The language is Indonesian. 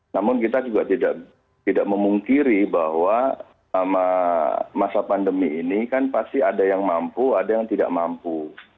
namun kita juga tidak memungkiri bahwa selama masa pandemi ini kan pasti ada yang mampu ada yang tidak mampu